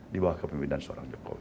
di bawah kepemimpinan seorang jokowi